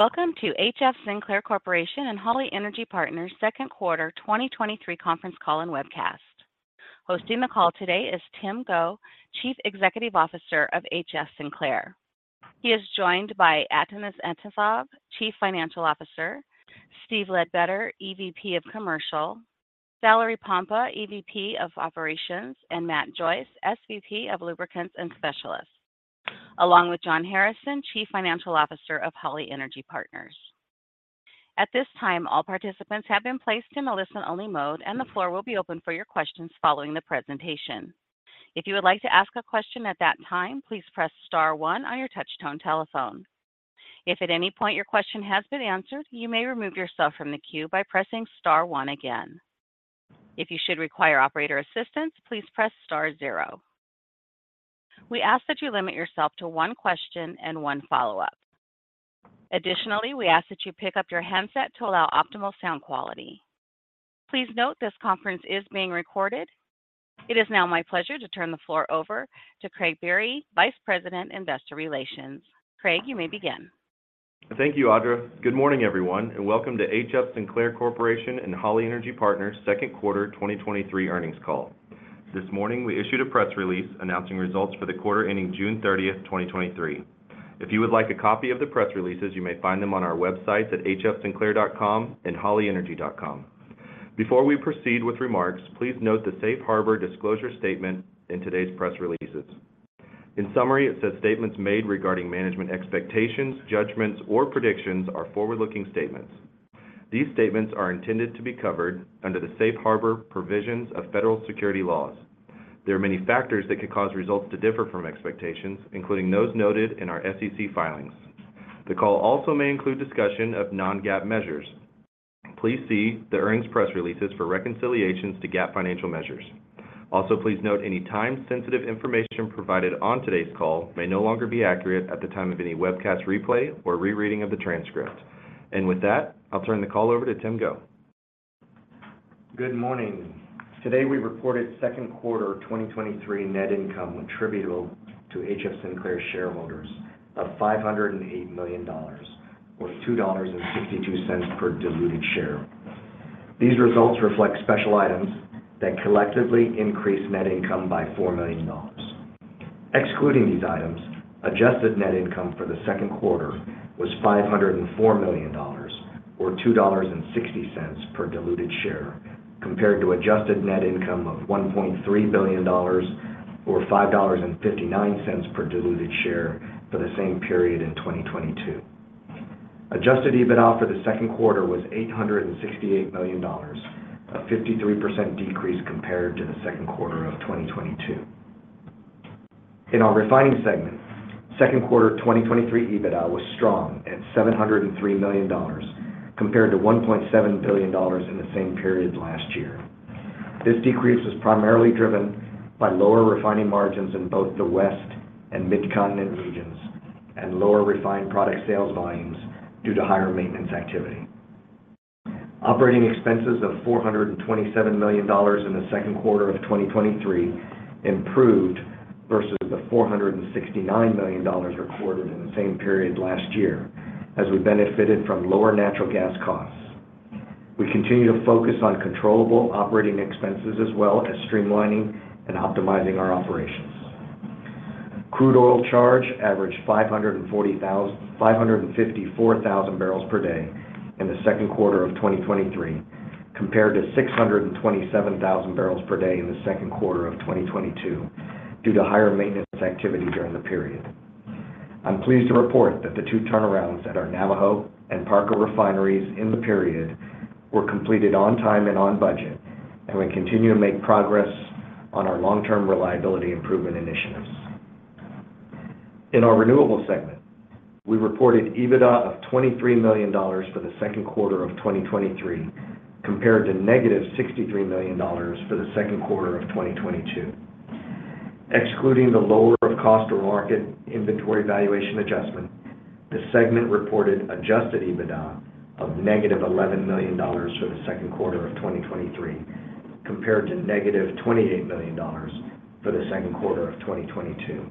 Welcome to HF Sinclair Corporation and Holly Energy Partners second quarter 2023 conference call and webcast. Hosting the call today is Tim Go, Chief Executive Officer of HF Sinclair. He is joined by Atanas Atanasov, Chief Financial Officer, Steve Ledbetter, EVP of Commercial, Valerie Pompa, EVP of Operations, and Matt Joyce, SVP of Lubricants and Specialties, along with John Harrison, Chief Financial Officer of Holly Energy Partners. At this time, all participants have been placed in a listen-only mode. The floor will be open for your questions following the presentation. If you would like to ask a question at that time, please press star one on your touchtone telephone. If at any point your question has been answered, you may remove yourself from the queue by pressing star one again. If you should require operator assistance, please press star zero. We ask that you limit yourself to one question and one follow-up. Additionally, we ask that you pick up your handset to allow optimal sound quality. Please note this conference is being recorded. It is now my pleasure to turn the floor over to Craig Biery, Vice President, Investor Relations. Craig, you may begin. Thank you, Audra. Good morning, everyone, and welcome to HF Sinclair Corporation and Holly Energy Partners second quarter 2023 earnings call. This morning, we issued a press release announcing results for the quarter ending June 30, 2023. If you would like a copy of the press releases, you may find them on our websites at hfsinclair.com and hollyenergy.com. Before we proceed with remarks, please note the Safe Harbor disclosure statement in today's press releases. In summary, it says, "Statements made regarding management expectations, judgments, or predictions are forward-looking statements. These statements are intended to be covered under the Safe Harbor provisions of federal security laws. There are many factors that could cause results to differ from expectations, including those noted in our SEC filings. The call also may include discussion of non-GAAP measures. Please see the earnings press releases for reconciliations to GAAP financial measures. Also, please note any time-sensitive information provided on today's call may no longer be accurate at the time of any webcast replay or rereading of the transcript. With that, I'll turn the call over to Tim Go. Good morning. Today, we reported second quarter 2023 net income attributable to HF Sinclair shareholders of $508 million, or $2.62 per diluted share. These results reflect special items that collectively increased net income by $4 million. Excluding these items, adjusted net income for the second quarter was $504 million, or $2.60 per diluted share, compared to adjusted net income of $1.3 billion or $5.59 per diluted share for the same period in 2022. Adjusted EBITDA for the second quarter was $868 million, a 53% decrease compared to the second quarter of 2022. In our refining segment, second quarter 2023 EBITDA was strong at $703 million, compared to $1.7 billion in the same period last year. This decrease was primarily driven by lower refining margins in both the West and Midcontinent regions and lower refined product sales volumes due to higher maintenance activity. Operating expenses of $427 million in the second quarter of 2023 improved versus the $469 million recorded in the same period last year, as we benefited from lower natural gas costs. We continue to focus on controllable operating expenses as well as streamlining and optimizing our operations. Crude oil charge averaged 554,000 barrels per day in the second quarter of 2023, compared to 627,000 barrels per day in the second quarter of 2022, due to higher maintenance activity during the period. I'm pleased to report that the 2 turnarounds at our Navajo and Parco refineries in the period were completed on time and on budget, and we continue to make progress on our long-term reliability improvement initiatives. In our renewables segment, we reported EBITDA of $23 million for the second quarter of 2023, compared to negative $63 million for the second quarter of 2022. Excluding the lower of cost or market inventory valuation adjustment, the segment reported adjusted EBITDA of -$11 million for the second quarter of 2023, compared to -$28 million for the second quarter of 2022.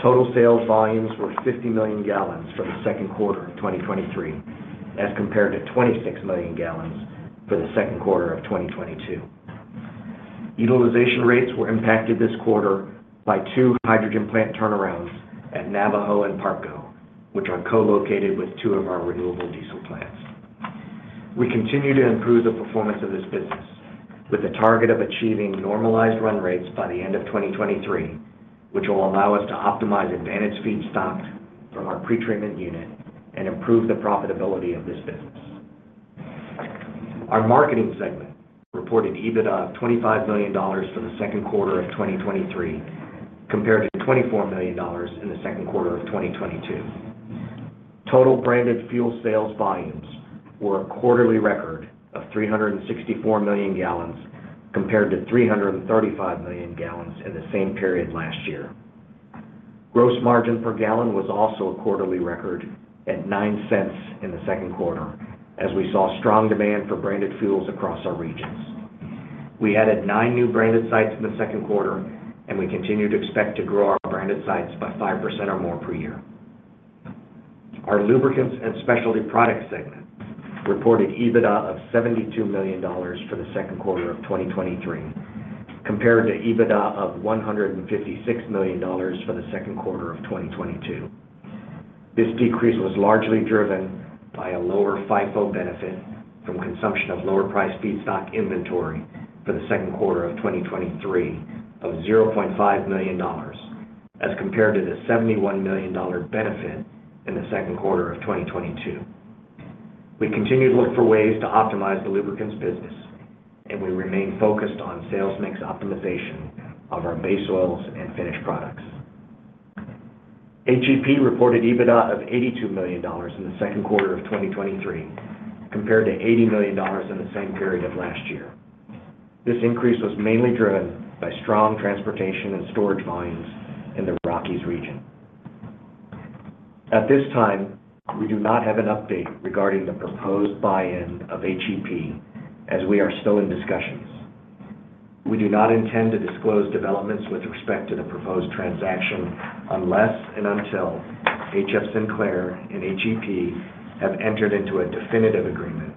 Total sales volumes were 50 million gallons for the second quarter of 2023, as compared to 26 million gallons for the second quarter of 2022. Utilization rates were impacted this quarter by two hydrogen plant turnarounds at Navajo and Parco, which are co-located with two of our renewable diesel plants. We continue to improve the performance of this business with a target of achieving normalized run rates by the end of 2023, which will allow us to optimize advantage feedstock from our pretreatment unit and improve the profitability of this business. Our marketing segment reported EBITDA of $25 million for the second quarter of 2023, compared to $24 million in the second quarter of 2022. Total branded fuel sales volumes were a quarterly record of 364 million gallons, compared to 335 million gallons in the same period last year. Gross margin per gallon was also a quarterly record at $0.09 in the second quarter, as we saw strong demand for branded fuels across our regions. We added nine new branded sites in the second quarter, We continue to expect to grow our branded sites by 5% or more per year. Our lubricants and specialty product segment reported EBITDA of $72 million for the second quarter of 2023, compared to EBITDA of $156 million for the second quarter of 2022. This decrease was largely driven by a lower FIFO benefit from consumption of lower-priced feedstock inventory for the second quarter of 2023 of $0.5 million, as compared to the $71 million benefit in the second quarter of 2022. We continue to look for ways to optimize the lubricants business, and we remain focused on sales mix optimization of our base oils and finished products. HEP reported EBITDA of $82 million in the second quarter of 2023, compared to $80 million in the same period of last year. This increase was mainly driven by strong transportation and storage volumes in the Rockies region. At this time, we do not have an update regarding the proposed buy-in of HEP, as we are still in discussions. We do not intend to disclose developments with respect to the proposed transaction unless and until H.F. Sinclair and HEP have entered into a definitive agreement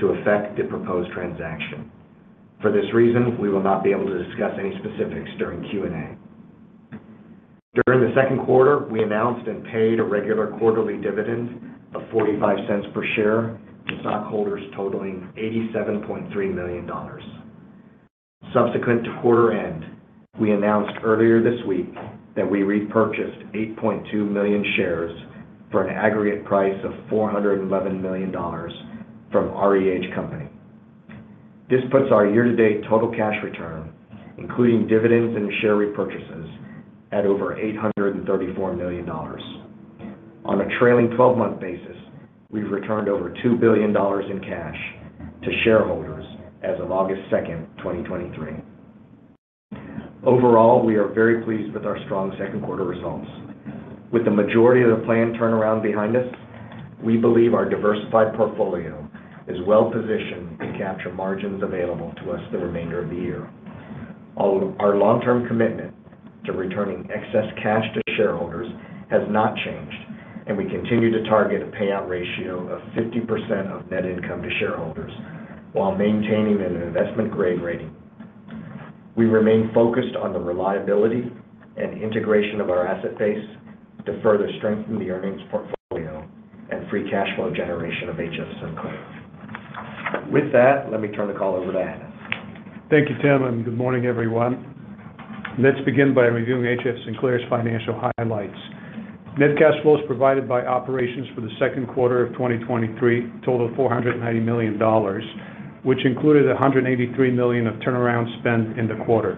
to effect the proposed transaction. For this reason, we will not be able to discuss any specifics during Q&A. During the second quarter, we announced and paid a regular quarterly dividend of $0.45 per share to stockholders, totaling $87.3 million. Subsequent to quarter end, we announced earlier this week that we repurchased 8.2 million shares for an aggregate price of $411 million from REH Company. This puts our year-to-date total cash return, including dividends and share repurchases, at over $834 million. On a trailing 12-month basis, we've returned over $2 billion in cash to shareholders as of August 2, 2023. Overall, we are very pleased with our strong second quarter results. With the majority of the planned turnaround behind us, we believe our diversified portfolio is well-positioned to capture margins available to us the remainder of the year. Our long-term commitment to returning excess cash to shareholders has not changed, and we continue to target a payout ratio of 50% of net income to shareholders while maintaining an investment-grade rating. We remain focused on the reliability and integration of our asset base to further strengthen the earnings portfolio and free cash flow generation of HF Sinclair. With that, let me turn the call over to Atanas Atanasov. Thank you, Tim, and good morning, everyone. Let's begin by reviewing HF Sinclair's financial highlights. Net cash flows provided by operations for the second quarter of 2023 totaled $490 million, which included $183 million of turnaround spend in the quarter.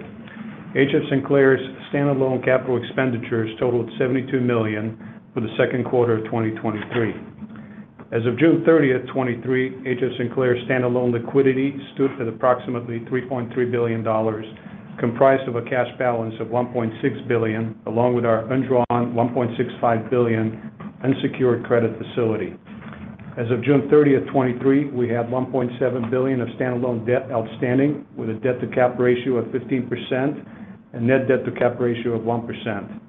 HF Sinclair's standalone capital expenditures totaled $72 million for the second quarter of 2023. As of June 30, 2023, HF Sinclair's standalone liquidity stood at approximately $3.3 billion, comprised of a cash balance of $1.6 billion, along with our undrawn $1.65 billion unsecured credit facility. As of June 30, 2023, we had $1.7 billion of standalone debt outstanding, with a debt-to-cap ratio of 15% and net debt-to-cap ratio of 1%.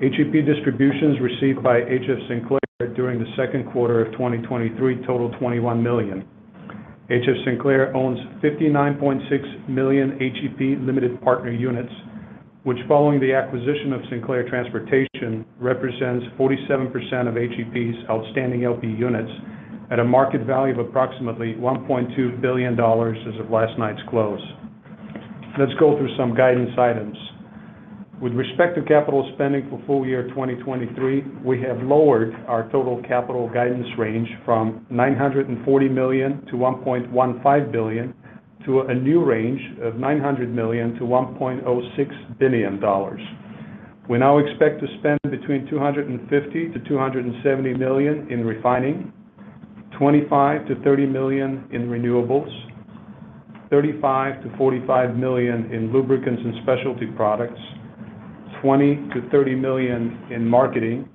HEP distributions received by HF Sinclair during the second quarter of 2023 totaled $21 million. Sinclair owns 59.6 million HEP limited partner units, which, following the acquisition of Sinclair Transportation, represents 47% of HEP's outstanding LP units at a market value of approximately $1.2 billion as of last night's close. Let's go through some guidance items. With respect to capital spending for full year 2023, we have lowered our total capital guidance range from $940 million-$1.15 billion, to a new range of $900 million-$1.06 billion. We now expect to spend between $250 million and $270 million in refining, $25 million-$30 million in renewables, $35 million-$45 million in lubricants and specialty products, $20 million-$30 million in marketing,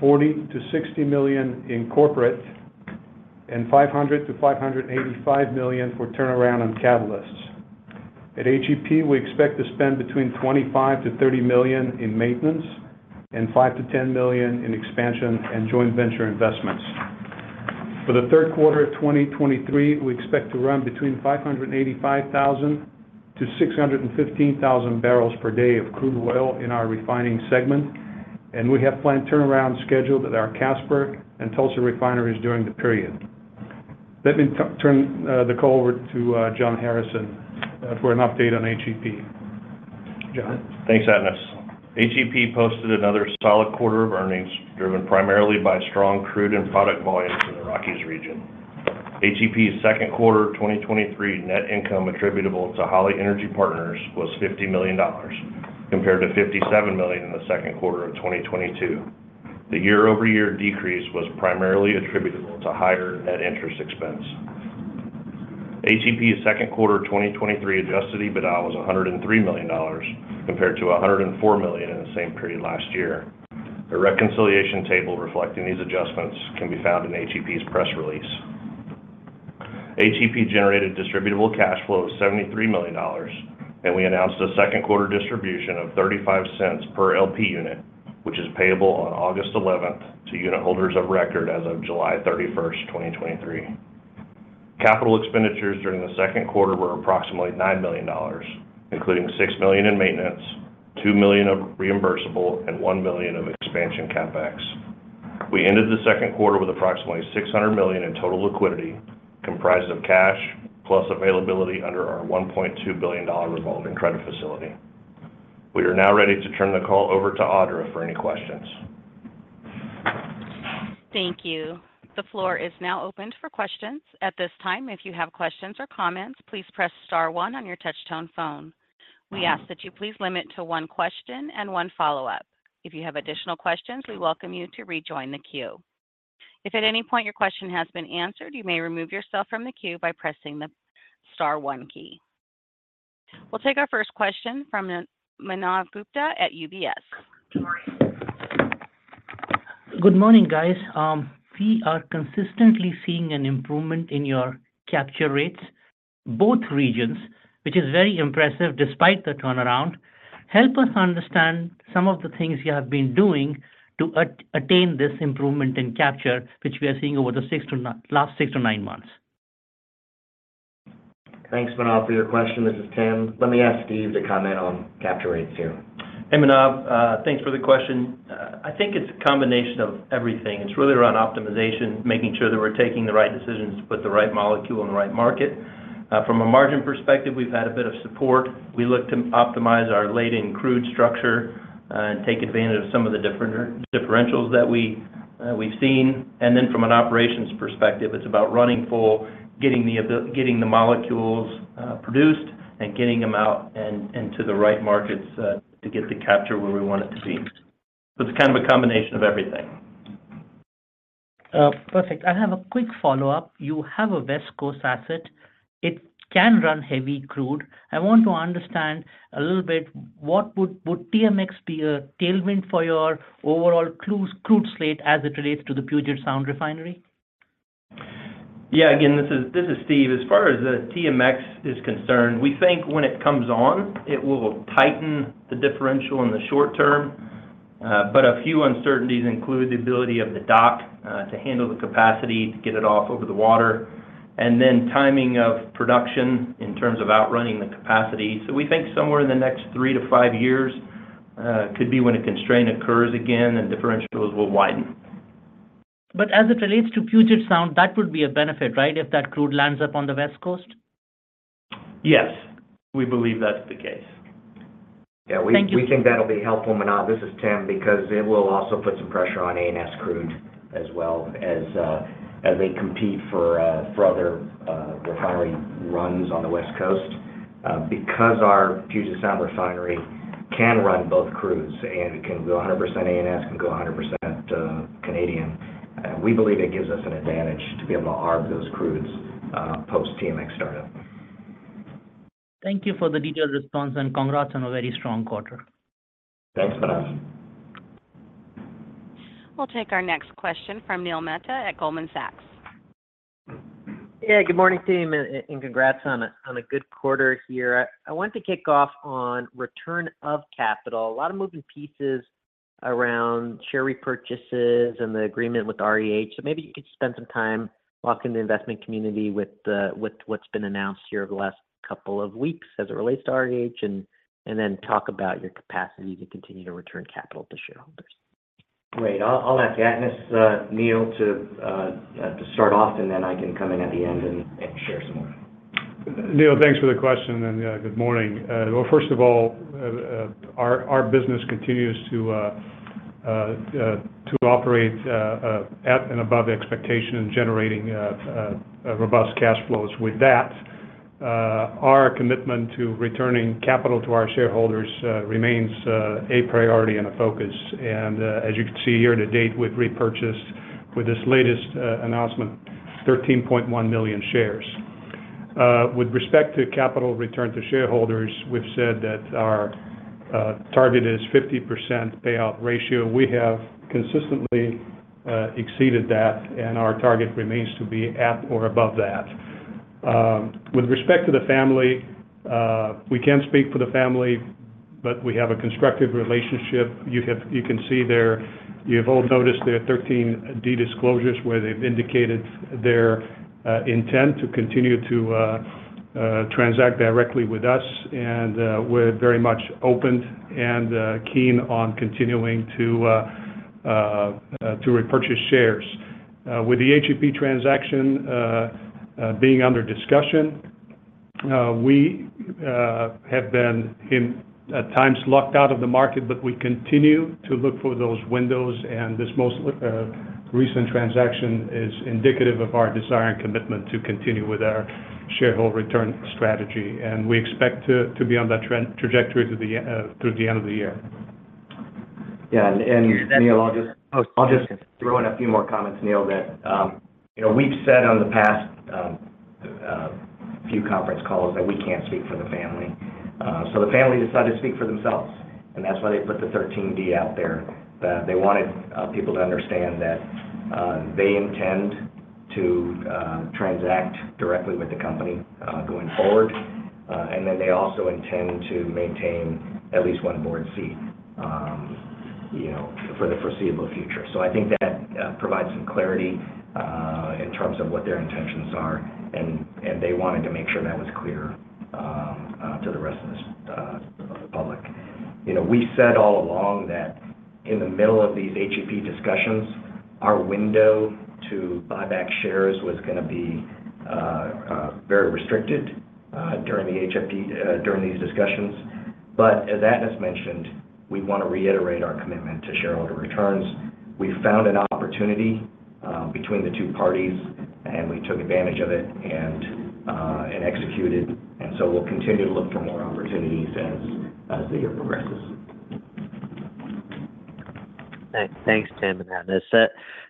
$40 million-$60 million in corporate, and $500 million-$585 million for turnaround on catalysts. At HEP, we expect to spend between $25 million-$30 million in maintenance and $5 million-$10 million in expansion and joint venture investments. For the third quarter of 2023, we expect to run between 585,000-615,000 barrels per day of crude oil in our refining segment, we have planned turnaround scheduled at our Casper and Tulsa refineries during the period. Let me turn the call over to John Harrison for an update on HEP. John? Thanks, Atanas. HEP posted another solid quarter of earnings, driven primarily by strong crude and product volumes in the Rockies region. HEP's second quarter 2023 net income attributable to Holly Energy Partners was $50 million, compared to $57 million in the second quarter of 2022. The year-over-year decrease was primarily attributable to higher net interest expense. HEP's second quarter 2023 adjusted EBITDA was $103 million, compared to $104 million in the same period last year. A reconciliation table reflecting these adjustments can be found in HEP's press release. HEP generated distributable cash flow of $73 million, and we announced a second quarter distribution of $0.35 per LP unit, which is payable on August 11 to unitholders of record as of July 31, 2023. Capital expenditures during the second quarter were approximately $9 million, including $6 million in maintenance, $2 million of reimbursable, and $1 million of expansion CapEx. We ended the second quarter with approximately $600 million in total liquidity, comprised of cash, plus availability under our $1.2 billion revolving credit facility. We are now ready to turn the call over to Audra for any questions. Thank you. The floor is now open for questions. At this time, if you have questions or comments, please press star 1 on your touchtone phone. We ask that you please limit to 1 question and 1 follow-up. If you have additional questions, we welcome you to rejoin the queue. If at any point your question has been answered, you may remove yourself from the queue by pressing the star 1 key. We'll take our first question from Manav Gupta at UBS. Good morning, guys. We are consistently seeing an improvement in your capture rates, both regions, which is very impressive despite the turnaround. Help us understand some of the things you have been doing to attain this improvement in capture, which we are seeing over the last six to nine months. Thanks, Manav, for your question. This is Tim. Let me ask Steve to comment on capture rates here. Hey, Manav, thanks for the question. I think it's a combination of everything. It's really around optimization, making sure that we're taking the right decisions to put the right molecule in the right market. From a margin perspective, we've had a bit of support. We look to optimize our laid-in crude structure, and take advantage of some of the differentials that we've seen. From an operations perspective, it's about running full, getting the molecules produced and getting them out and to the right markets to get the capture where we want it to be. It's kind of a combination of everything. Perfect. I have a quick follow-up. You have a West Coast asset. It can run heavy crude. I want to understand a little bit, would TMX be a tailwind for your overall crude, crude slate as it relates to the Puget Sound Refinery? Yeah, again, this is Steve. As far as the TMX is concerned, we think when it comes on, it will tighten the differential in the short term, but a few uncertainties include the ability of the dock to handle the capacity to get it off over the water, and then timing of production in terms of outrunning the capacity. We think somewhere in the next three to five years could be when a constraint occurs again and differentials will widen. As it relates to Puget Sound, that would be a benefit, right? If that crude lands up on the West Coast. Yes, we believe that's the case. Thank you. Yeah, we, we think that'll be helpful, Manav, this is Tim, because it will also put some pressure on ANS crude as well as, as they compete for, for other, refinery runs on the West Coast. Because our Puget Sound Refinery can run both crudes, and can go 100% ANS, can go 100% Canadian, we believe it gives us an advantage to be able to arb those crudes, post TMX startup. Thank you for the detailed response, congrats on a very strong quarter. Thanks, Manav. We'll take our next question from Neil Mehta at Goldman Sachs. Good morning, team, and congrats on a good quarter here. I want to kick off on return of capital. A lot of moving pieces around share repurchases and the agreement with REH. Maybe you could spend some time walking the investment community with what's been announced here over the last couple of weeks as it relates to REH, and then talk about your capacity to continue to return capital to shareholders. Great. I'll, I'll ask Atanas, Neil, to start off, and then I can come in at the end and share some more. Neil, thanks for the question, and good morning. Well, first of all, our business continues to operate at and above expectation in generating robust cash flows. With that, our commitment to returning capital to our shareholders remains a priority and a focus. And as you can see, year to date, we've repurchased, with this latest announcement, 13.1 million shares. With respect to capital return to shareholders, we've said that our target is 50% payout ratio. We have consistently exceeded that, and our target remains to be at or above that. With respect to the family, we can't speak for the family, but we have a constructive relationship. You can see there, you've all noticed their 13D disclosures, where they've indicated their intent to continue to transact directly with us, and we're very much opened and keen on continuing to repurchase shares. With the HEP transaction being under discussion, we have been in, at times, locked out of the market, but we continue to look for those windows, and this most recent transaction is indicative of our desire and commitment to continue with our shareholder return strategy. We expect to be on that trajectory through the end through the end of the year. Yeah, Neil, I'll. Oh, sorry. I'll just throw in a few more comments, Neil, that, you know, we've said on the past few conference calls that we can't speak for the family. The family decided to speak for themselves, and that's why they put the 13D out there. They wanted people to understand that they intend to transact directly with the company going forward. Then they also intend to maintain at least one board seat, you know, for the foreseeable future. I think that provides some clarity in terms of what their intentions are, and they wanted to make sure that was clear to the rest of us of the public. You know, we said all along that in the middle of these HEP discussions, our window to buy back shares was gonna be very restricted during these discussions. As Atanas mentioned, we want to reiterate our commitment to shareholder returns. We found an opportunity between the two parties, and we took advantage of it and executed. We'll continue to look for more opportunities as the year progresses. Thanks, Tim and Atanas.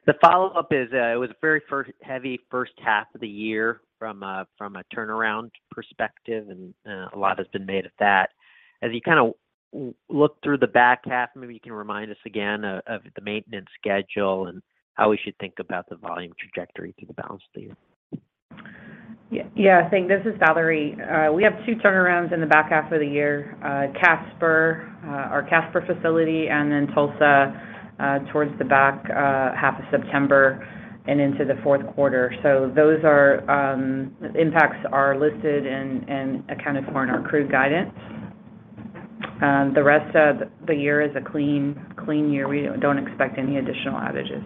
The follow-up is, it was a very heavy first half of the year from a turnaround perspective, and a lot has been made of that. As you kind of look through the back half, maybe you can remind us again of, of the maintenance schedule, and how we should think about the volume trajectory through the balance of the year. This is Valeriaerie. We have 2 turnarounds in the back half of the year. Casper, our Casper facility, and then Tulsa, towards the back half of September and into the fourth quarter. Those are impacts are listed and, and accounted for in our crude guidance. The rest of the year is a clean, clean year. We don't expect any additional outages.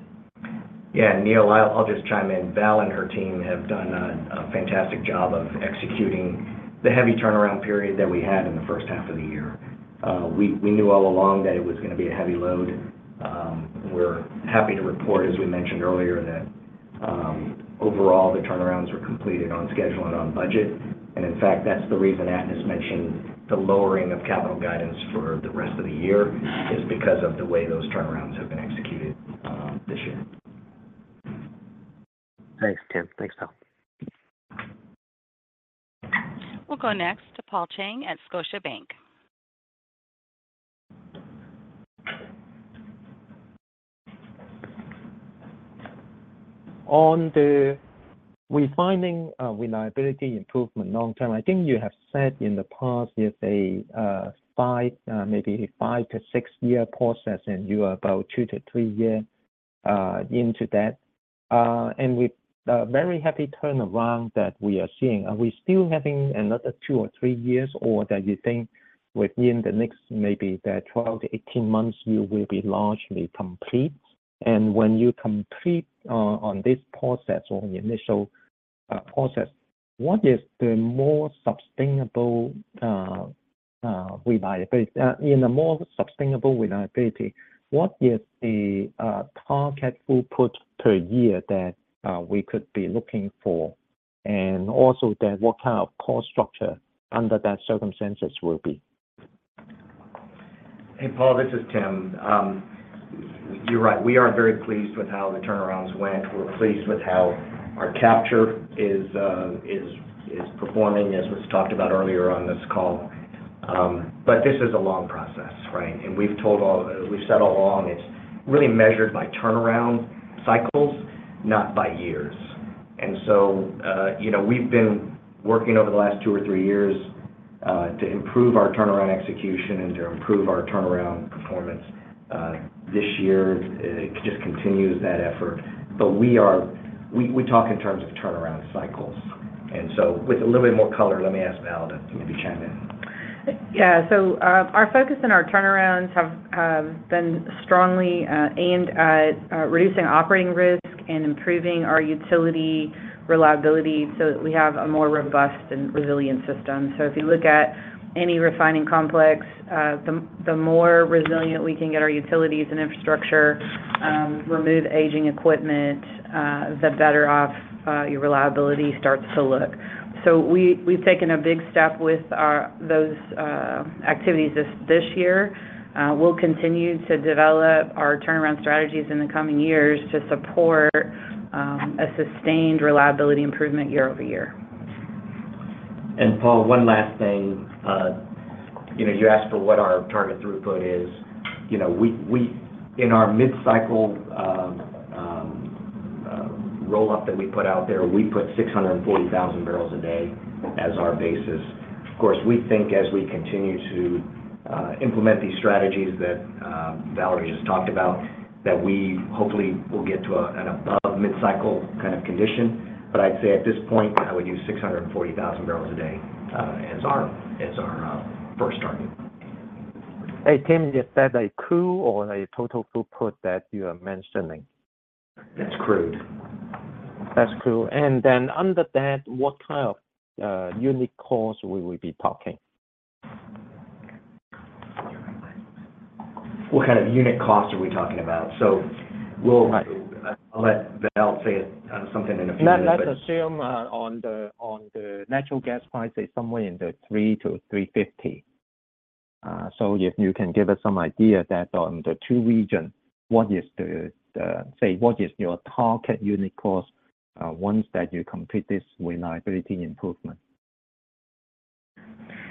Yeah, Neil, I'll just chime in. Valeria and her team have done a fantastic job of executing the heavy turnaround period that we had in the first half of the year. We knew all along that it was gonna be a heavy load. We're happy to report, as we mentioned earlier, that overall, the turnarounds were completed on schedule and on budget. In fact, that's the reason Atanas mentioned the lowering of capital guidance for the rest of the year, is because of the way those turnarounds have been executed, this year. Thanks, Tim. Thanks, Valeria. We'll go next to Paul Cheng at Scotiabank. On the refining, reliability improvement long term, I think you have said in the past, it's a 5, maybe 5-6-year process, and you are about 2-3 year into that. And with a very happy turnaround that we are seeing, are we still having another 2 or 3 years? Or that you think within the next maybe, 12-18 months, you will be largely complete? And when you complete on this process or the initial process, what is the more sustainable reliability-- in a more sustainable reliability, what is the target throughput per year that we could be looking for? And also then, what kind of cost structure under that circumstances will be? Hey, Paul, this is Tim. You're right. We are very pleased with how the turnarounds went. We're pleased with how our capture is, is, is performing, as was talked about earlier on this call. This is a long process, right? We've said all along, it's really measured by turnaround cycles, not by years. You know, we've been working over the last two or three years to improve our turnaround execution and to improve our turnaround performance. This year just continues that effort, but we talk in terms of turnaround cycles. With a little bit more color, let me ask Valeria to maybe chime in. Yeah. Our focus and our turnarounds have, have been strongly aimed at reducing operating risk and improving our utility reliability, so that we have a more robust and resilient system. If you look at any refining complex, the, the more resilient we can get our utilities and infrastructure, remove aging equipment, the better off your reliability starts to look. We, we've taken a big step with, those activities this, this year. We'll continue to develop our turnaround strategies in the coming years to support a sustained reliability improvement year-over-year. Paul, one last thing. you know, you asked for what our target throughput is. You know, we in our mid-cycle, roll-up that we put out there, we put 640,000 barrels a day as our basis. Of course, we think as we continue to implement these strategies that Valeriaerie just talked about, that we hopefully will get to a, an above mid-cycle kind of condition. I'd say at this point, I would use 640,000 barrels a day, as our, as our, first target. Hey, Tim, is that a crude or a total throughput that you are mentioning? That's crude. That's crude. Then under that, what kind of unique costs we will be talking? What kind of unit costs are we talking about? Right. Let Valeria say something in a few minutes. Let's assume, on the natural gas prices, somewhere in the $3-$3.50. If you can give us some idea that on the two region, what is the, say, what is your target unit cost, once that you complete this reliability improvement?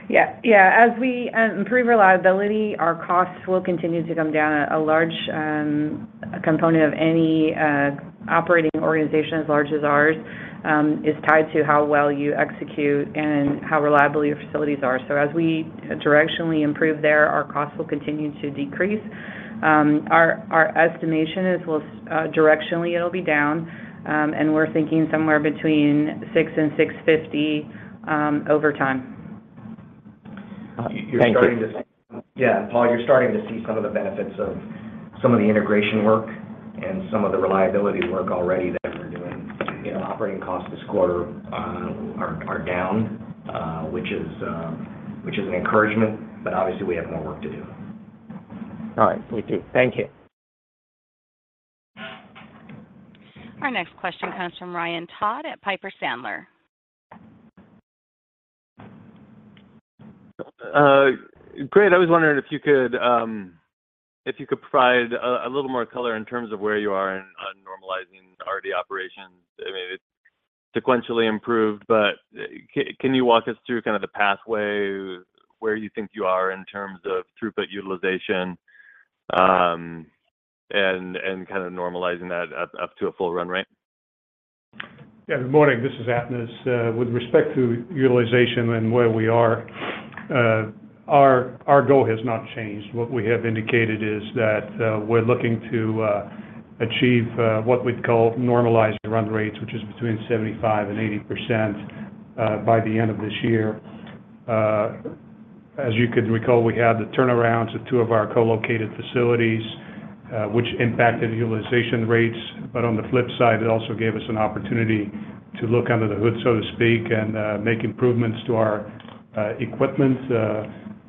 Yeah, yeah. As we improve reliability, our costs will continue to come down. A large component of any operating organization as large as ours is tied to how well you execute and how reliable your facilities are. As we directionally improve there, our costs will continue to decrease. Our estimation is we'll directionally, it'll be down. And we're thinking somewhere between $6 and $6.50 over time. Thank you. Yeah, Paul, you're starting to see some of the benefits of some of the integration work and some of the reliability work already that we're doing. You know, operating costs this quarter are down, which is an encouragement, but obviously, we have more work to do. All right. Thank you. Our next question comes from Ryan Todd at Piper Sandler. Great. I was wondering if you could provide a little more color in terms of where you are in on normalizing RD operations. I mean, it sequentially improved, but can you walk us through kind of the pathway, where you think you are in terms of throughput utilization, and kind of normalizing that up to a full run rate? Yeah. Good morning. This is Atanas. With respect to utilization and where we are, our goal has not changed. What we have indicated is that we're looking to achieve what we'd call normalized run rates, which is between 75% and 80%, by the end of this year. As you could recall, we had the turnarounds of two of our co-located facilities, which impacted utilization rates. But on the flip side, it also gave us an opportunity to look under the hood, so to speak, and make improvements to our equipment.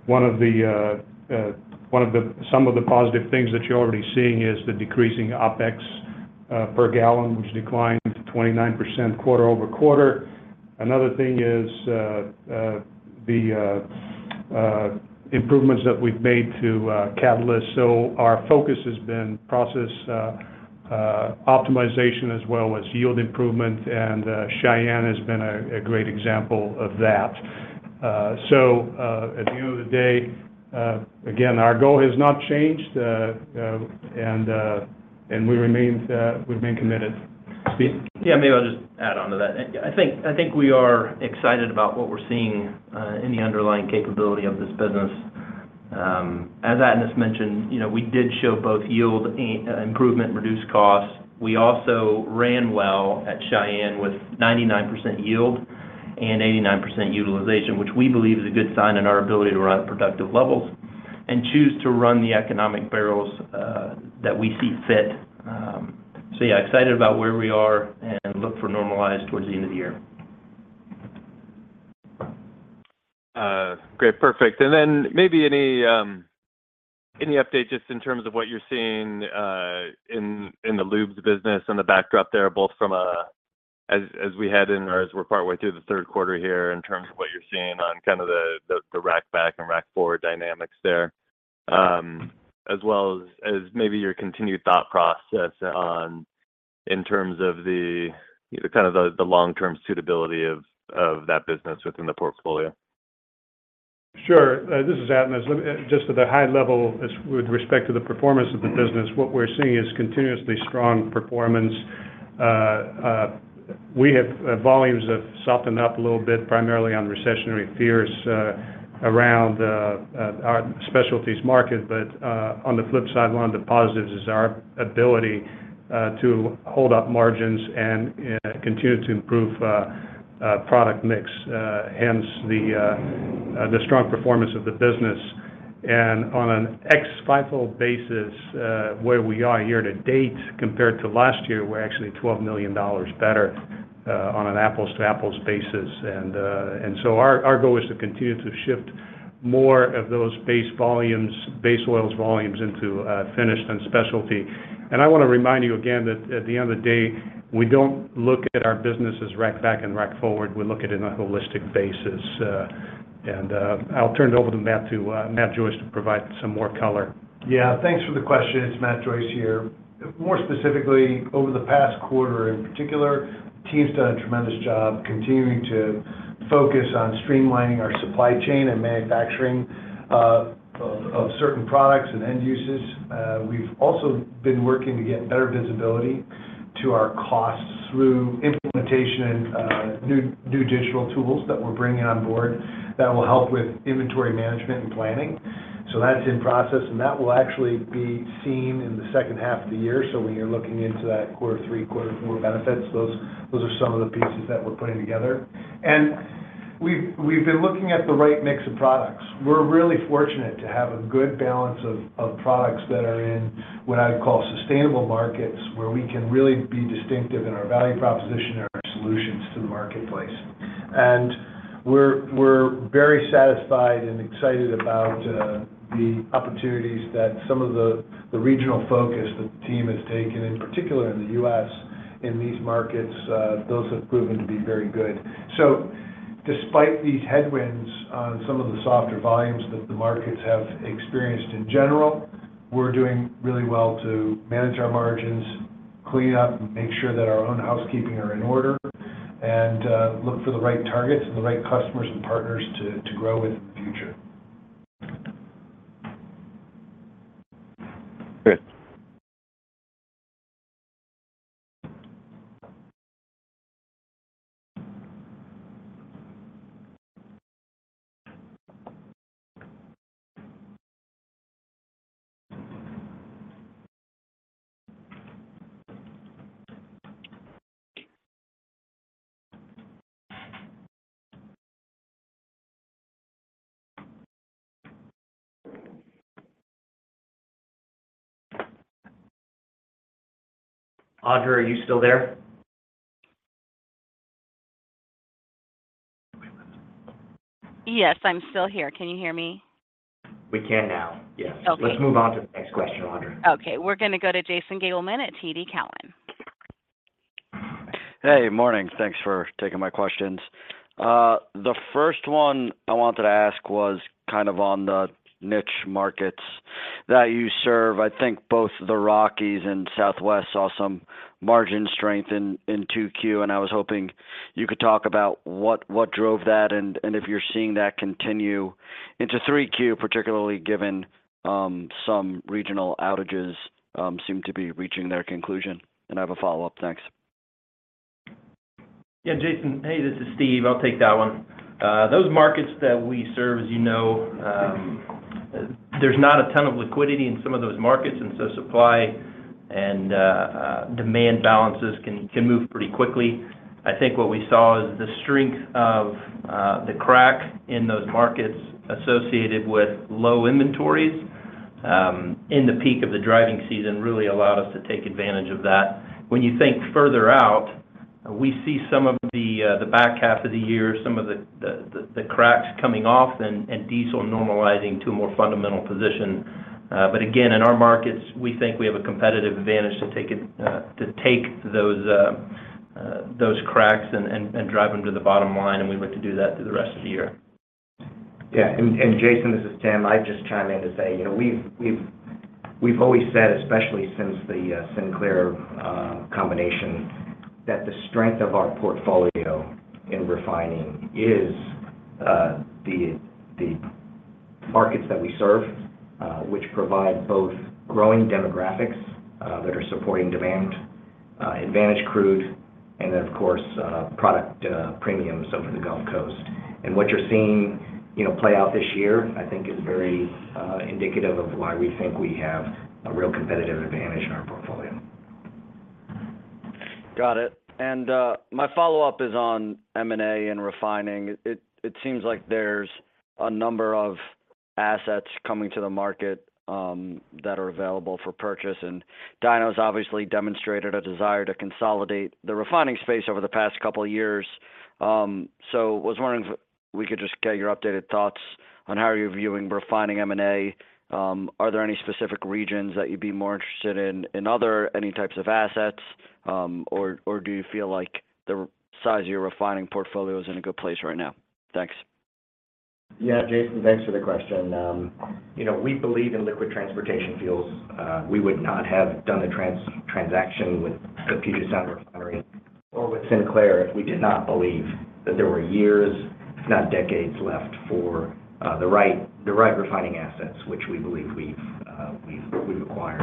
One of the, some of the positive things that you're already seeing is the decreasing OpEx per gallon, which declined to 29% quarter-over-quarter. Another thing is the improvements that we've made to catalysts. Our focus has been process optimization as well as yield improvement, Cheyenne has been a great example of that. At the end of the day, again, our goal has not changed. We remain, we remain committed. Yeah, maybe I'll just add on to that. I think, I think we are excited about what we're seeing, in the underlying capability of this business. As Atanas mentioned, you know, we did show both yield and improvement, reduced costs. We also ran well at Cheyenne, with 99% yield and 89% utilization, which we believe is a good sign in our ability to run at productive levels and choose to run the economic barrels, that we see fit. Yeah, excited about where we are and look for normalized towards the end of the year. Great, perfect. Then maybe any update just in terms of what you're seeing in the lubes business and the backdrop there, both from as we head in or as we're partway through the third quarter here, in terms of what you're seeing on kind of the rack back and rack forward dynamics there. As well as maybe your continued thought process on, in terms of the long-term suitability of that business within the portfolio. Sure. This is Atanas. Just at a high level, with respect to the performance of the business, what we're seeing is continuously strong performance. We have volumes have softened up a little bit, primarily on recessionary fears around our specialties market. On the flip side, one of the positives is our ability to hold up margins and continue to improve product mix, hence the strong performance of the business. On an ex-FIFO basis, where we are year to date compared to last year, we're actually $12 million better on an apples-to-apples basis. So our goal is to continue to shift more of those base volumes, base oils volumes into finished and specialty. I want to remind you again that at the end of the day, we don't look at our business as rack back and rack forward. We look at it on a holistic basis. I'll turn it over to Matt to Matt Joyce to provide some more color. Yeah, thanks for the question. It's Matt Joyce here. More specifically, over the past quarter in particular, the team's done a tremendous job continuing to focus on streamlining our supply chain and manufacturing of, of certain products and end uses. We've also been working to get better visibility to our costs through implementation of new, new digital tools that we're bringing on board that will help with inventory management and planning. That's in process, and that will actually be seen in the second half of the year. When you're looking into that quarter three, quarter four benefits, those, those are some of the pieces that we're putting together. We've, we've been looking at the right mix of products. We're really fortunate to have a good balance of, of products that are in what I'd call sustainable markets, where we can really be distinctive in our value proposition and our solutions to the marketplace. We're very satisfied and excited about the opportunities that some of the, the regional focus the team has taken, in particular in the U.S., in these markets, those have proven to be very good. Despite these headwinds on some of the softer volumes that the markets have experienced in general, we're doing really well to manage our margins, clean up, and make sure that our own housekeeping are in order, and look for the right targets and the right customers and partners to, to grow with in the future. Great. Audra, are you still there? Yes, I'm still here. Can you hear me? We can now, yes. Okay. Let's move on to the next question, Audra. Okay, we're gonna go to Jason Gabelman at TD Cowen. Hey, morning. Thanks for taking my questions. The first one I wanted to ask was kind of on the niche markets that you serve. I think both the Rockies and Southwest saw some margin strength in, in 2Q, and I was hoping you could talk about what, what drove that, and, and if you're seeing that continue into 3Q, particularly given some regional outages seem to be reaching their conclusion. I have a follow-up. Thanks. Yeah, Jason. Hey, this is Steve. I'll take that one. Those markets that we serve, as you know, there's not a ton of liquidity in some of those markets, and so supply and demand balances can, can move pretty quickly. I think what we saw is the strength of the crack in those markets associated with low inventories, in the peak of the driving season, really allowed us to take advantage of that. When you think further out, we see some of the back half of the year, some of the cracks coming off and diesel normalizing to a more fundamental position. Again, in our markets, we think we have a competitive advantage to take it-- to take those, those cracks and, and, and drive them to the bottom line, and we look to do that through the rest of the year. Yeah, Jason, this is Tim. I'd just chime in to say, you know, we've, we've, we've always said, especially since the Sinclair combination, that the strength of our portfolio in refining is the markets that we serve, which provide both growing demographics that are supporting demand, advantage crude, and then of course, product premiums over the Gulf Coast. What you're seeing, you know, play out this year, I think is very indicative of why we think we have a real competitive advantage in our portfolio. Got it. My follow-up is on M&A and refining. It seems like there's a number of assets coming to the market, that are available for purchase, and DINO's obviously demonstrated a desire to consolidate the refining space over the past couple of years. I was wondering if we could just get your updated thoughts on how you're viewing refining M&A. Are there any specific regions that you'd be more interested in, in other, any types of assets? Or, or do you feel like the size of your refining portfolio is in a good place right now? Thanks. Yeah, Jason, thanks for the question. You know, we believe in liquid transportation fuels. We would not have done the trans- transaction with the Puget Sound Refinery or with Sinclair, if we did not believe that there were years, if not decades, left for the right, the right refining assets, which we believe we've, we've, we've acquired.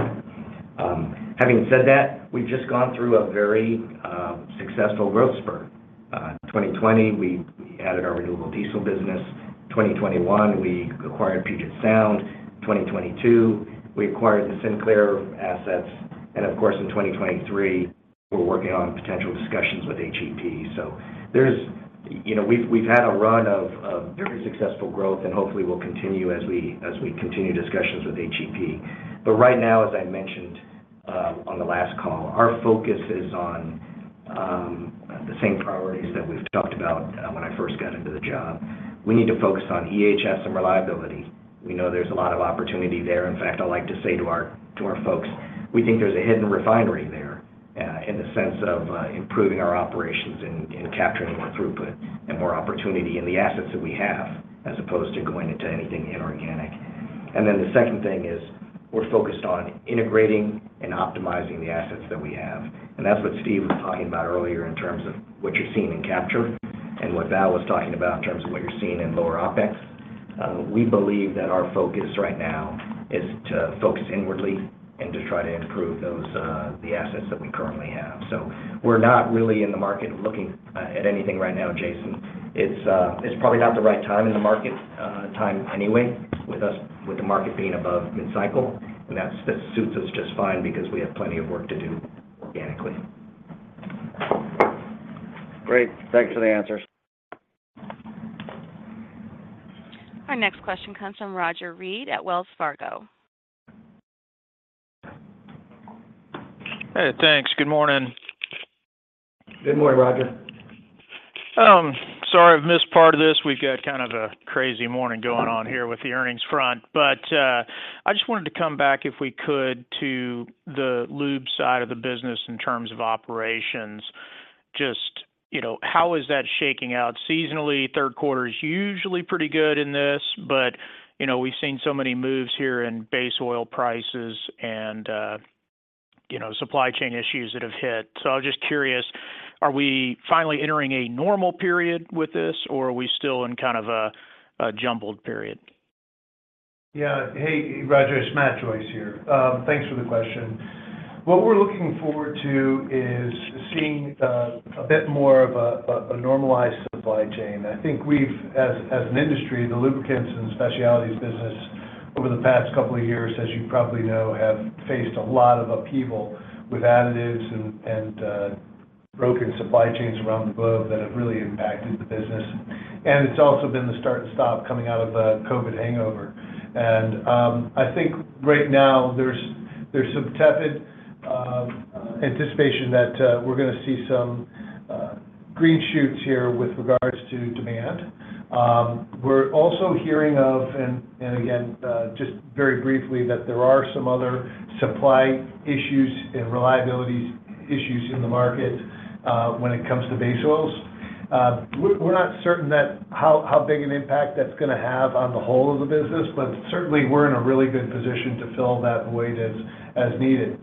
Having said that, we've just gone through a very successful growth spur. 2020, we added our renewable diesel business. 2021, we acquired Puget Sound. 2022, we acquired the Sinclair assets, and of course, in 2023, we're working on potential discussions with HEP. There's-- You know, we've, we've had a run of, of very successful growth, and hopefully will continue as we, as we continue discussions with HEP. Right now, as I mentioned, on the last call, our focus is on the same priorities that we've talked about when I first got into the job. We need to focus on EHS and reliability. We know there's a lot of opportunity there. In fact, I like to say to our, to our folks, we think there's a hidden refinery there, in the sense of improving our operations and capturing more throughput and more opportunity in the assets that we have, as opposed to going into anything inorganic. Then, the second thing is, we're focused on integrating and optimizing the assets that we have. That's what Steve was talking about earlier in terms of what you're seeing in capture and what Valeria was talking about in terms of what you're seeing in lower OpEx. We believe that our focus right now is to focus inwardly and to try to improve those, the assets that we currently have. We're not really in the market looking at anything right now, Jason. It's, it's probably not the right time in the market time anyway, with the market being above mid-cycle, and that suits us just fine because we have plenty of work to do organically. Great. Thanks for the answers. Our next question comes from Roger Read at Wells Fargo. Hey, thanks. Good morning. Good morning, Roger. Sorry, I've missed part of this. We've got kind of a crazy morning going on here with the earnings front, but. I just wanted to come back, if we could, to the lube side of the business in terms of operations. Just, you know, how is that shaking out? Seasonally, third quarter is usually pretty good in this, but, you know, we've seen so many moves here in base oil prices and, you know, supply chain issues that have hit. I was just curious, are we finally entering a normal period with this, or are we still in kind of a, a jumbled period? Yeah. Hey, Roger, it's Matt Joyce here. Thanks for the question. What we're looking forward to is seeing a bit more of a normalized supply chain. I think we've, as an industry, the lubricants and specialties business over the past couple of years, as you probably know, have faced a lot of upheaval with additives and broken supply chains around the globe that have really impacted the business. It's also been the start and stop coming out of a COVID hangover. I think right now there's, there's some tepid anticipation that we're gonna see some green shoots here with regards to demand. We're also hearing of, again, just very briefly, that there are some other supply issues and reliability issues in the market, when it comes to base oils. We're, we're not certain that how, how big an impact that's gonna have on the whole of the business, but certainly we're in a really good position to fill that void as, as needed.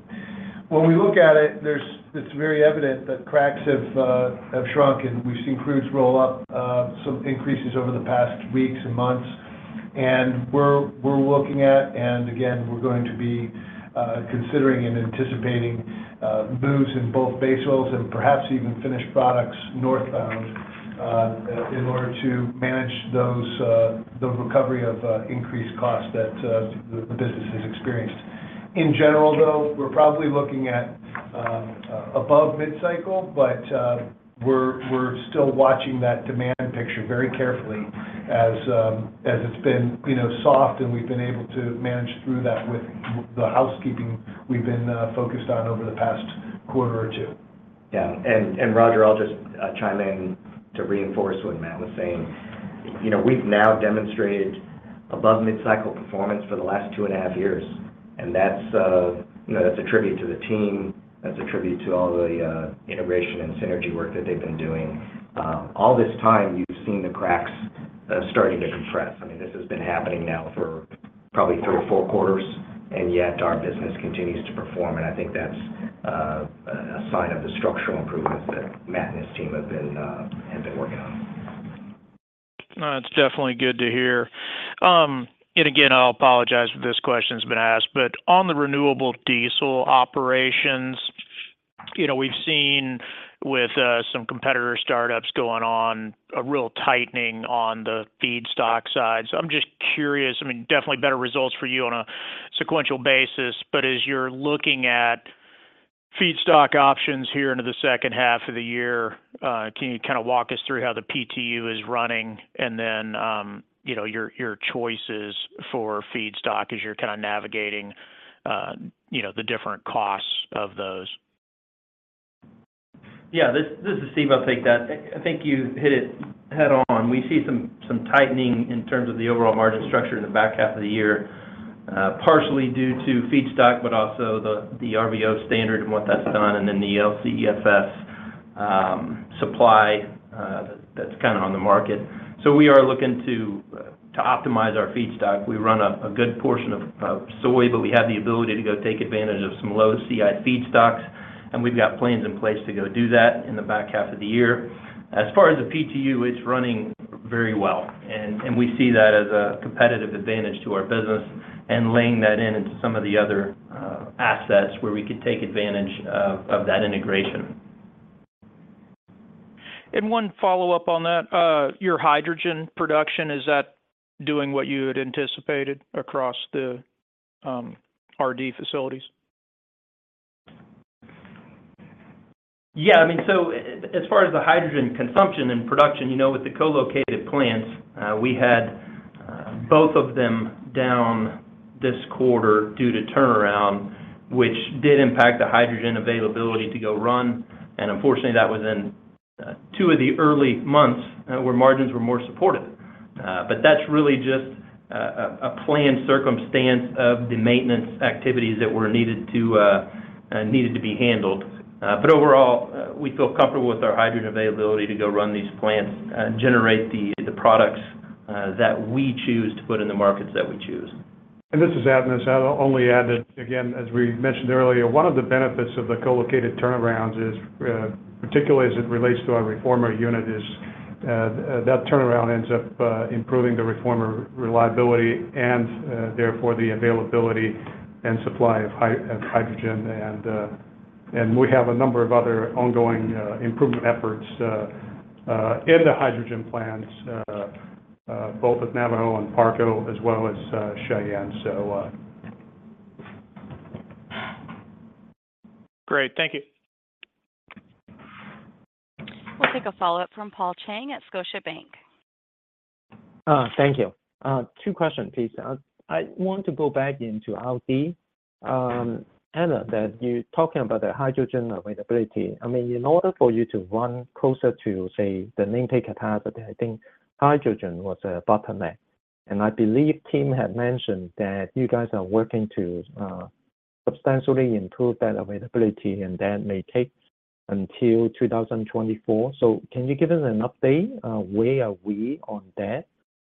When we look at it, it's very evident that cracks have shrunk, and we've seen crews roll up some increases over the past weeks and months. We're, we're looking at, and again, we're going to be considering and anticipating moves in both base oils and perhaps even finished products northbound in order to manage those, the recovery of increased costs that the business has experienced. In general, though, we're probably looking at, above mid-cycle, but, we're, we're still watching that demand picture very carefully as, as it's been, you know, soft, and we've been able to manage through that with the housekeeping we've been, focused on over the past quarter or two. Yeah. Roger, I'll just chime in to reinforce what Matt was saying. You know, we've now demonstrated above mid-cycle performance for the last 2.5 years, and that's, you know, that's a tribute to the team, that's a tribute to all the integration and synergy work that they've been doing. All this time, we've seen the cracks starting to compress. I mean, this has been happening now for probably 3 or 4 quarters, and yet our business continues to perform, and I think that's a sign of the structural improvements that Matt and his team have been working on. It's definitely good to hear. Again, I'll apologize if this question's been asked, but on the renewable diesel operations, you know, we've seen with some competitor startups going on, a real tightening on the feedstock side. I'm just curious, I mean, definitely better results for you on a sequential basis, but as you're looking at feedstock options here into the second half of the year, can you kind of walk us through how the PTU is running, and then, you know, your, your choices for feedstock as you're kind of navigating, you know, the different costs of those? Yeah, this, this is Steve. I'll take that. I, I think you hit it head on. We see some, some tightening in terms of the overall margin structure in the back half of the year, partially due to feedstock, but also the RVO standard and what that's done, and then the LCFS supply that's kind of on the market. We are looking to optimize our feedstock. We run a, a good portion of, of soy, we have the ability to go take advantage of some low CI feedstocks, and we've got plans in place to go do that in the back half of the year. As far as the PTU, it's running very well, and we see that as a competitive advantage to our business and laying that in into some of the other, assets where we could take advantage of, of that integration. One follow-up on that, your hydrogen production, is that doing what you had anticipated across the RD facilities? Yeah, I mean, as far as the hydrogen consumption and production, you know, with the co-located plants, we had both of them down this quarter due to turnaround, which did impact the hydrogen availability to go run. Unfortunately, that was in 2 of the early months where margins were more supportive. But that's really just a planned circumstance of the maintenance activities that were needed to be handled. But overall, we feel comfortable with our hydrogen availability to go run these plants and generate the products that we choose to put in the markets that we choose. This is Atanas. I'll only add that, again, as we mentioned earlier, one of the benefits of the co-located turnarounds is particularly as it relates to our reformer unit, is that turnaround ends up improving the reformer reliability and therefore, the availability and supply of hydrogen. We have a number of other ongoing improvement efforts in the hydrogen plants, both with Navajo and Parco, as well as Cheyenne. Great. Thank you. We'll take a follow-up from Paul Cheng at Scotiabank. Thank you. 2 questions, please. I want to go back into RT. Atanas, that you're talking about the hydrogen availability. I mean, in order for you to run closer to, say, the nameplate capacity, I think hydrogen was a bottleneck. I believe Tim had mentioned that you guys are working to substantially improve that availability, and that may take until 2024. Can you give us an update? Where are we on that,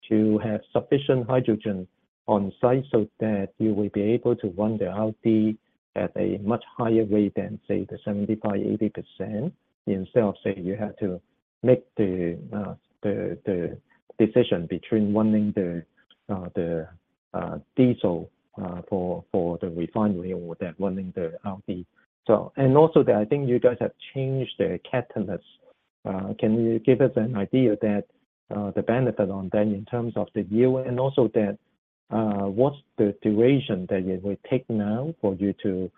to have sufficient hydrogen on site so that you will be able to run the RT at a much higher rate than, say, the 75%-80%, instead of saying you had to make the decision between running the diesel for the refinery or that running the RT? Also, that I think you guys have changed the catalyst. Can you give us an idea that the benefit on that in terms of the yield, and also that what's the duration that it will take now for you to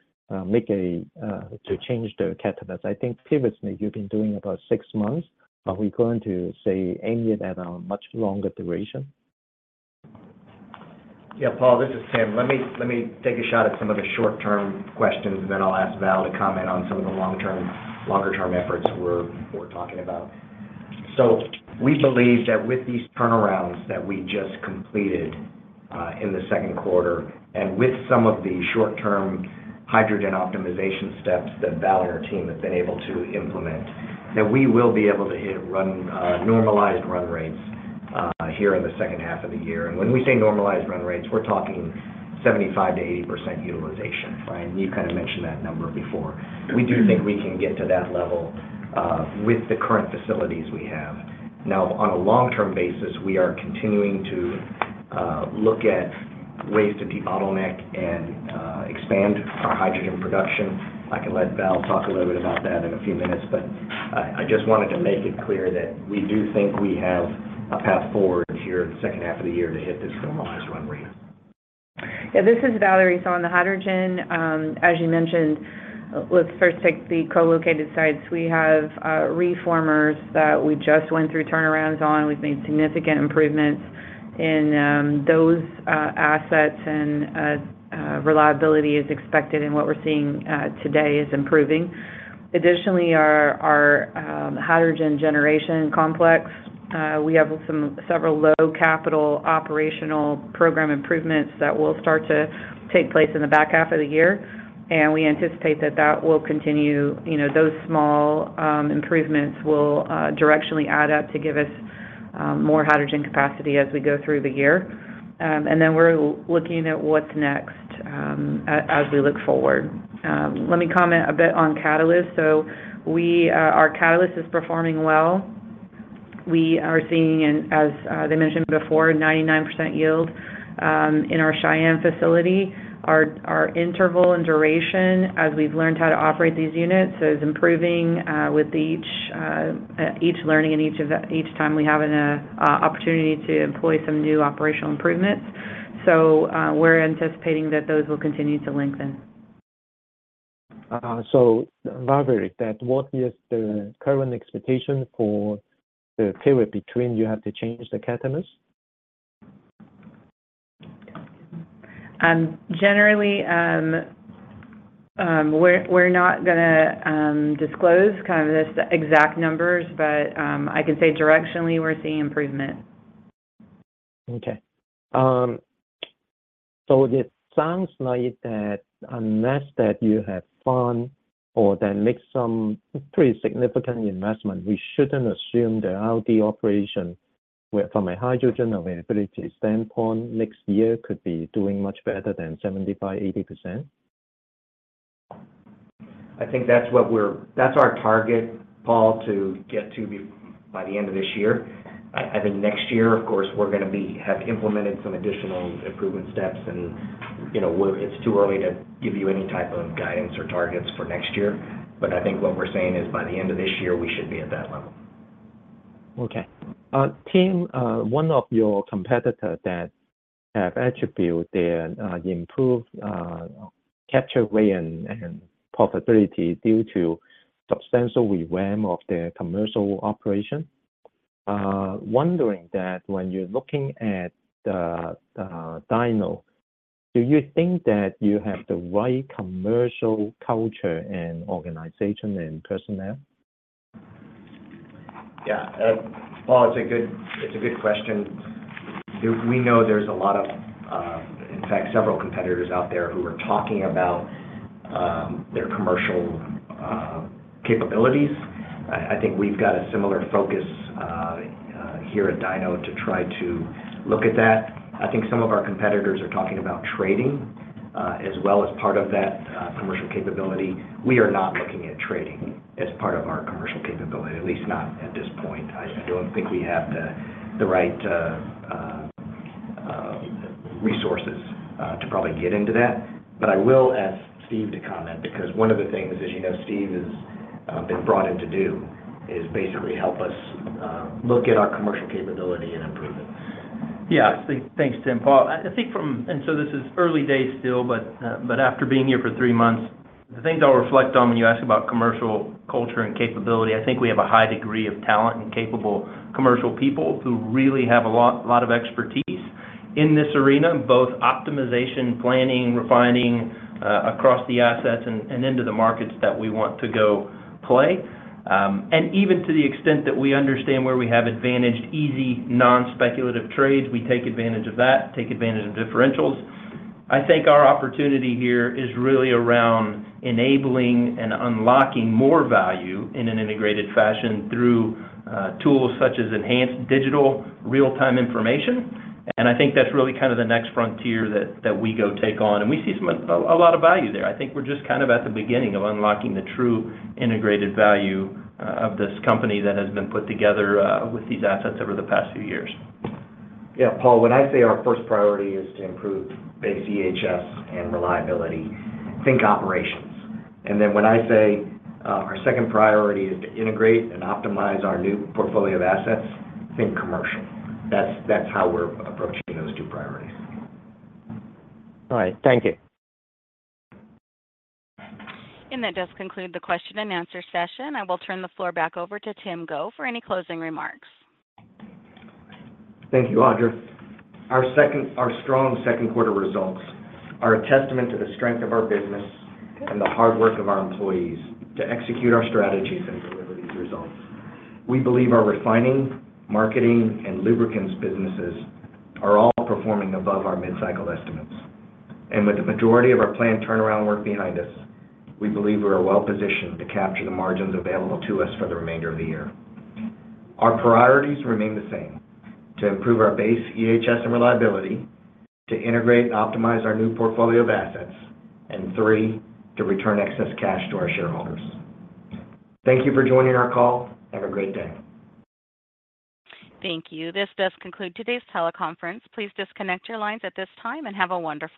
change the catalyst? I think previously you've been doing about 6 months, are we going to, say, aim it at a much longer duration? Yeah, Paul, this is Tim. Let me, let me take a shot at some of the short-term questions, then I'll ask Valeria to comment on some of the long-term, longer-term efforts we're talking about. We believe that with these turnarounds that we just completed in the second quarter, and with some of the short-term hydrogen optimization steps that Valeria and her team have been able to implement, that we will be able to hit run normalized run rates here in the second half of the year. When we say normalized run rates, we're talking 75%-80% utilization, right? You've kind of mentioned that number before. We do think we can get to that level with the current facilities we have. Now, on a long-term basis, we are continuing to look at ways to debottleneck and expand our hydrogen production. I can let Valeria talk a little bit about that in a few minutes. I, I just wanted to make it clear that we do think we have a path forward here in the second half of the year to hit this normalized run rate. This is Valeriaerie. On the hydrogen, as you mentioned, let's first take the co-located sites. We have reformers that we just went through turnarounds on. We've made significant improvements in those assets, and reliability is expected, and what we're seeing today is improving. Additionally, our hydrogen generation complex, we have several low capital operational program improvements that will start to take place in the back half of the year, and we anticipate that that will continue. You know, those small improvements will directionally add up to give us more hydrogen capacity as we go through the year. We're looking at what's next as we look forward. Let me comment a bit on catalyst. We, our catalyst is performing well. We are seeing, as they mentioned before, 99% yield, in our Cheyenne facility. Our interval and duration, as we've learned how to operate these units, is improving, with each learning and each time we have an opportunity to employ some new operational improvements. We're anticipating that those will continue to lengthen. Valeriaerie, that what is the current expectation for the period between you have to change the catalyst? Generally, we're, we're not gonna disclose kind of the exact numbers, but I can say directionally, we're seeing improvement. Okay. It sounds like that unless that you have found or then make some pretty significant investment, we shouldn't assume the RD operation where from a hydrogen availability standpoint, next year could be doing much better than 75%-80%? I think that's our target, Paul, to get to be by the end of this year. I think next year, of course, we're gonna have implemented some additional improvement steps and, you know, it's too early to give you any type of guidance or targets for next year. I think what we're saying is by the end of this year, we should be at that level. Okay. Tim, one of your competitor that have attributed their improved capture rate and profitability due to substantial revamp of their commercial operation. Wondering that when you're looking at the DINO, do you think that you have the right commercial culture and organization and personnel? Yeah. Paul, it's a good, it's a good question. We, we know there's a lot of, in fact, several competitors out there who are talking about their commercial capabilities. I, I think we've got a similar focus here at DINO to try to look at that. I think some of our competitors are talking about trading as well as part of that commercial capability. We are not looking at trading as part of our commercial capability, at least not at this point. I, I don't think we have the, the right resources to probably get into that. I will ask Steve to comment, because one of the things, as you know, Steve has been brought in to do, is basically help us look at our commercial capability and improve it. Yeah. Thank, thanks, Tim. Paul, I, I think from... This is early days still, but after being here for three months... The things I'll reflect on when you ask about commercial culture and capability, I think we have a high degree of talent and capable commercial people who really have a lot, a lot of expertise in this arena. Both optimization, planning, refining, across the assets and into the markets that we want to go play. Even to the extent that we understand where we have advantaged, easy, non-speculative trades, we take advantage of that, take advantage of differentials. I think our opportunity here is really around enabling and unlocking more value in an integrated fashion through tools such as enhanced digital real-time information. I think that's really kind of the next frontier that we go take on, and we see some, a lot of value there. I think we're just kind of at the beginning of unlocking the true integrated value of this company that has been put together with these assets over the past few years. Yeah, Paul, when I say our first priority is to improve base EHS and reliability, think operations. Then when I say our second priority is to integrate and optimize our new portfolio of assets, think commercial. That's how we're approaching those two priorities. All right. Thank you. That does conclude the question-and-answer session. I will turn the floor back over to Tim Go for any closing remarks. Thank you, Audra. Our strong second quarter results are a testament to the strength of our business and the hard work of our employees to execute our strategies and deliver these results. We believe our refining, marketing, and lubricants businesses are all performing above our mid-cycle estimates. With the majority of our planned turnaround work behind us, we believe we are well-positioned to capture the margins available to us for the remainder of the year. Our priorities remain the same: to improve our base EHS and reliability, to integrate and optimize our new portfolio of assets, and 3, to return excess cash to our shareholders. Thank you for joining our call. Have a great day. Thank you. This does conclude today's teleconference. Please disconnect your lines at this time, and have a wonderful day.